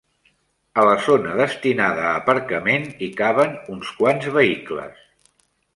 A la zona destinada a aparcament hi caben uns quants vehicles.